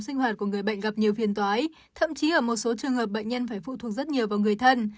sức khỏe của người bệnh gặp nhiều phiền tói thậm chí ở một số trường hợp bệnh nhân phải phụ thuộc rất nhiều vào người thân